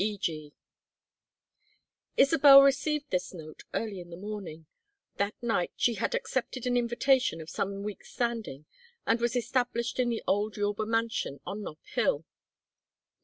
E. G." Isabel received this note early in the morning. That night she had accepted an invitation of some weeks' standing, and was established in the old Yorba mansion on Nob Hill.